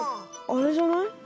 あれじゃない？